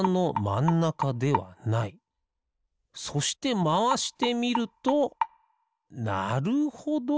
そしてまわしてみるとなるほど。